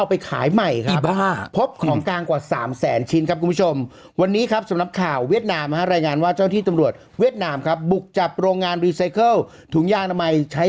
ไปชี้แจ้งกันตรงนี้